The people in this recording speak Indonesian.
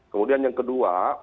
kemudian yang kedua